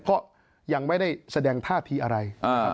ก็ยังไม่ได้แสดงท่าทีอะไร